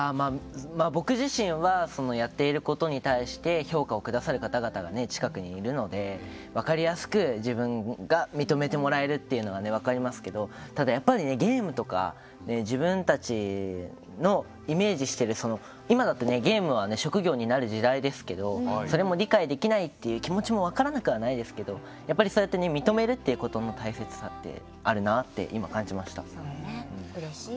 僕自身はやっていることに対して評価をくださる方々が近くにいるので分かりやすく自分が認めてもらえるというのは分かりますけど、ただやっぱりゲームとか自分たちのイメージしている今だったら、ゲームは職業になる時代ですけどそれも理解できないっていう気持ちも分からなくはないですけどやっぱりそうやって認めるっていうことの大切さってあるなって今、感じました。